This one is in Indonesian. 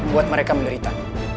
buat mereka menderita